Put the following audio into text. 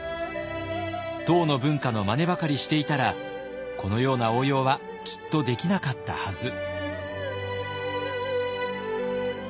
唐の文化のまねばかりしていたらこのような応用はきっとできなかったはず。